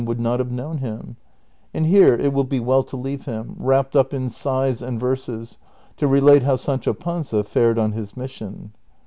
207 not have known him : and here it will be well to leave him, wrapped np in sighs and verses, to relate how 8ancho Pan/a fared on his mission.